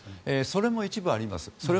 それも一部あります。